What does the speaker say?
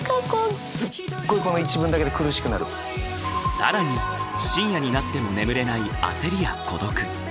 更に深夜になっても眠れない焦りや孤独。